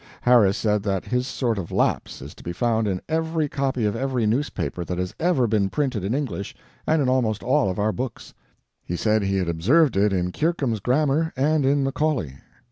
Harris said that his sort of lapse is to be found in every copy of every newspaper that has ever been printed in English, and in almost all of our books. He said he had observed it in Kirkham's grammar and in Macaulay.